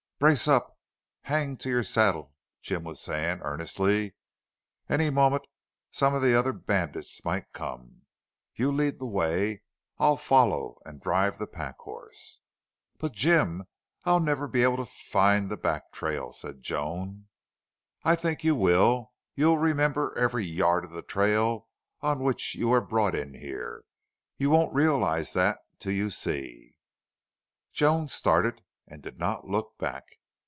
"Brace up! Hang to your saddle!" Jim was saying, earnestly. "Any moment some of the other bandits might come.... You lead the way. I'll follow and drive the pack horse." "But, Jim, I'll never be able to find the back trail," said Joan. "I think you will. You'll remember every yard of the trail on which you were brought in here. You won't realize that till you see." Joan started and did not look back.